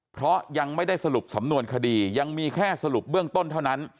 เพราะยังไม่ได้สรุปสำนวนคดียังมีแค่สรุปเบื้องต้นเท่านั้น